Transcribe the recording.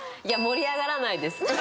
いや盛り上がらないです。